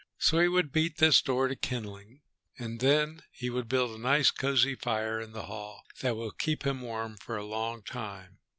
So he would beat this door to kindling, and then he would build a nice, cozy fire in the hall that would keep him warm for a long time